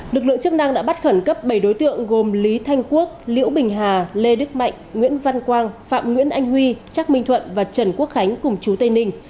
lực lượng chức năng đã bắt khẩn cấp bảy đối tượng gồm lý thanh quốc liễu bình hà lê đức mạnh nguyễn văn quang phạm nguyễn anh huy trắc minh thuận và trần quốc khánh cùng chú tây ninh